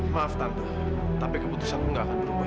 maaf tante tapi keputusanku enggak akan berubah